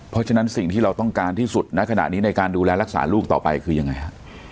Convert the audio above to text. เพราะฉะนั้นสิ่งที่เราต้องการที่สุดณขณะนี้ในการดูแลรักษาลูกต่อไปคือยังไงฮะ